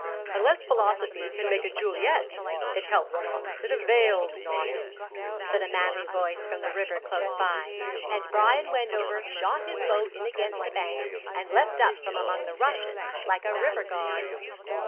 '"Unless philosophy can make a Juliet, it helps not, it avails not,"' said a manly voice from the river close by, and Brian Wendover shot his boat in against the bank and leapt up from among the rushes like a river god.